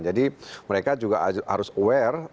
jadi mereka juga harus aware